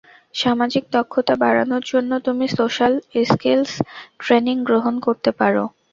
সামাজিক দক্ষতা বাড়ানোর জন্য তুমি সোশ্যাল স্কিলস ট্রেনিং গ্রহণ করতে পারো।